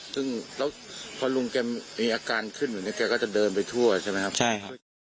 ซึ่งแล้วพอลุงแกมีอาการขึ้นอยู่เนี่ยแกก็จะเดินไปทั่วใช่ไหมครับใช่ครับ